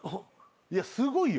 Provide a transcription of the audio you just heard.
いやすごいよ。